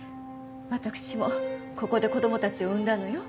私もここで子供たちを産んだのよ。